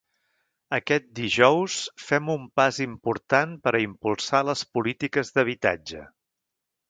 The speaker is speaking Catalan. Aquest dijous fem un pas important per a impulsar les polítiques d’habitatge.